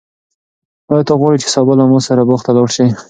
آیا ته غواړې چې سبا له ما سره باغ ته لاړ شې؟